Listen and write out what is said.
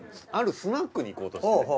あるスナックに行こうとしてて。